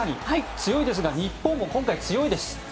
強いですが日本も今回強いです！